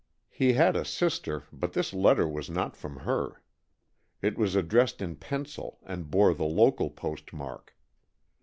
He had a sister, but this letter was not from her. It was addressed in pencil and bore the local postmark.